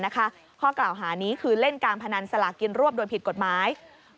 ข้อกล่าวหานี้คือเล่นการพนันสลากินรวบโดยผิดกฎหมาย